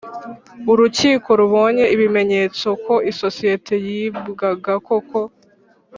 Urukiko rubonye ibimenyetso ko isosiyete yibwaga koko